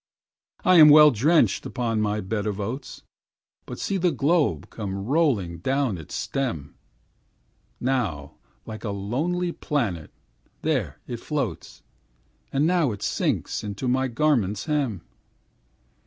I am well drenched upon my bed of oats; But see that globe come rolling down its stem, Now like a lonely planet there it floats, And now it sinks into my garment's hem.